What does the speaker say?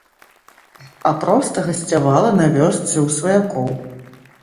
А проста гасцявала на вёсцы ў сваякоў.